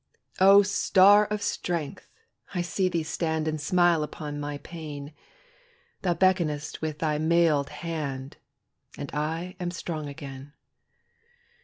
O star of strength! I see thee stand And smile upon my pain; Thou beckonest with thy mailed hand, And I am strong again.